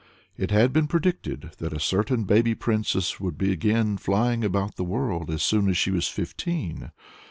It had been predicted that a certain baby princess would begin flying about the world as soon as she was fifteen.